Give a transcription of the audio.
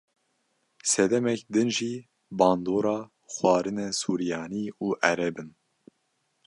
Sedemek din jî bandora xwarinên suryanî û ereb in.